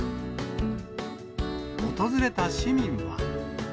訪れた市民は。